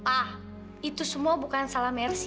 ah itu semua bukan salah mercy